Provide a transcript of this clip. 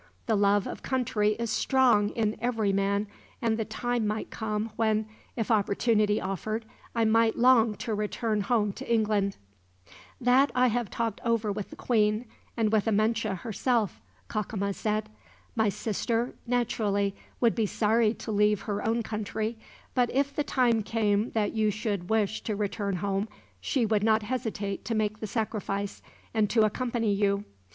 The love of country is strong in every man, and the time might come when, if opportunity offered, I might long to return home to England." "That I have talked over with the queen, and with Amenche, herself," Cacama said. "My sister naturally would be sorry to leave her own country, but if the time came that you should wish to return home, she would not hesitate to make the sacrifice, and to accompany you.